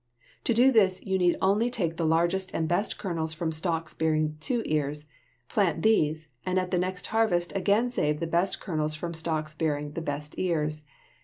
To do this you need only take the largest and best kernels from stalks bearing two ears; plant these, and at the next harvest again save the best kernels from stalks bearing the best ears.